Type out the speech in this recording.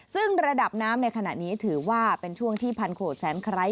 ซึ่งระดับน้ำในขณะนี้ถือว่าเป็นช่วงที่พันโขดแสนไคร้